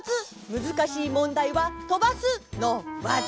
むずかしいもんだいはとばす！のわざ。